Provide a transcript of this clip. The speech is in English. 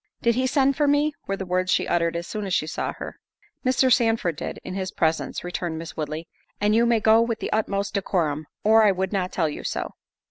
"Did he send for me?" were the words she uttered as soon as she saw her. "Mr. Sandford did, in his presence," returned Miss Woodley, "and you may go with the utmost decorum, or I would not tell you so."